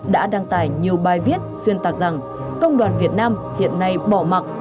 đã đăng tải nhiều bài viết xuyên tạc rằng công đoàn việt nam hiện nay bỏ mặt